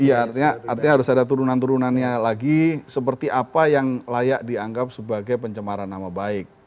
iya artinya harus ada turunan turunannya lagi seperti apa yang layak dianggap sebagai pencemaran nama baik